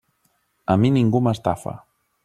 A mi ningú m'estafa.